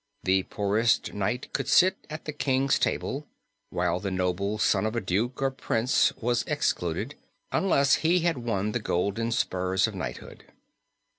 The poorest knight could sit at the king's table while the noble son of a duke or prince was excluded, unless he had won the golden spurs of knighthood.